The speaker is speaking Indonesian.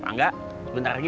pangga sebentar lagi